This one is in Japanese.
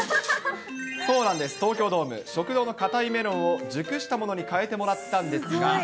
そうなんです、東京ドーム、食堂の硬いメロンを、熟したものに変えてもらったんですが。